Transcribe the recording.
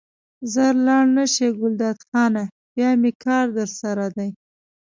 ژر لاړ نه شې ګلداد خانه بیا مې کار درسره دی.